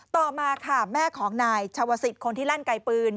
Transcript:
ต่อมาค่ะแม่ของนายชาวศิษย์คนที่ลั่นไกลปืน